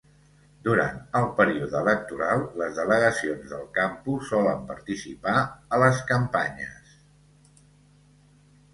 Durant el període electoral, les delegacions del campus solen participar a les campanyes.